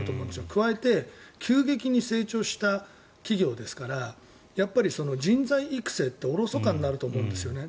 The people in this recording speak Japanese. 加えて急激に成長した企業ですから人材育成って疎かになると思うんですよね。